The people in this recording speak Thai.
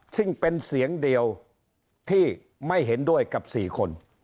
ซึ่งเป็นเสียงเดียวที่ไม่เห็นด้วยกับ๔คน